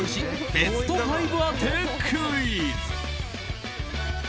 ベスト５当てクイズ。